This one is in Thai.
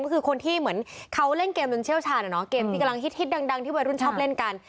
ก็คือคนที่เหมือนเขาเล่นเกมจนเชี่ยวชาญอะเนาะเกมที่กำลังฮิตดังที่วัยรุ่นชอบเล่นกัน